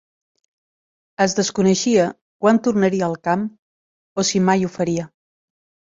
Es desconeixia quan tornaria al camp o si mai ho faria.